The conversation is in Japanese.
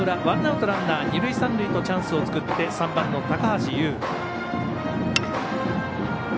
ワンアウト、ランナー二塁三塁とチャンスを作って３番の高橋友。